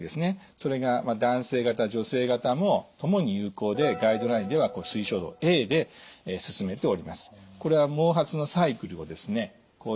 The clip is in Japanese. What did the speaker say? それが男性型女性型も共に有効でガイドラインでは推奨度Ａで勧めております。